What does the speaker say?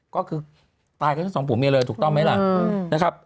ก็คือตายกันทั้งสองผัวเมียเลยถูกต้องไหมล่ะนะครับ